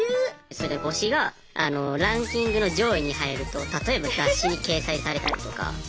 それで推しがランキングの上位に入ると例えば雑誌に掲載されたりとか。